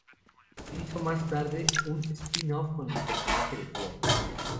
Se hizo más tarde un "spin-off" con el personaje de Flo.